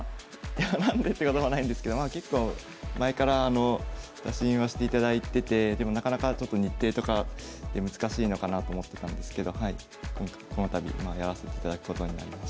いや何でってこともないんですけど結構前から打診はしていただいててでもなかなかちょっと日程とかで難しいのかなと思ってたんですけどこの度まあやらせていただくことになりました。